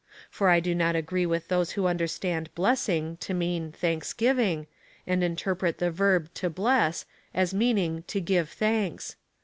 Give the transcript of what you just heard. ^ For I do not agree with those who understand blessing to mean thanksgiving, and interpret the verb to bless, as meaning to give thanks.